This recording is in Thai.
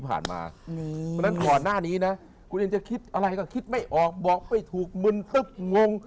เพราะฉะนั้นก่อนหน้านี้นะคุณเองจะคิดอะไรก็คิดไม่ออกบอกไม่ถูกมึนตึ๊บง